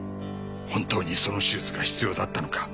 本当にその手術が必要だったのか？